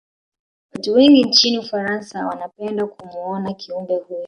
Watu wengi nchini ufarasa wanapenda kumuona Kiumbe huyo